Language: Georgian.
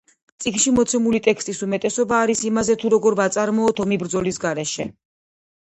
წიგნში მოცემული ტექსტის უმეტესობა არის იმაზე თუ როგორ ვაწარმოოთ ომი ბრძოლის გარეშე.